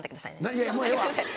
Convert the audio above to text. いやもうええわ。